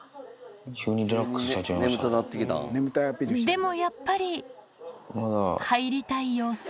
でもやっぱり、入りたい様子。